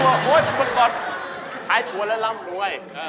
ร้านบ้านใช่หรอไข่ถั่วไข่ถั่วและลำรวย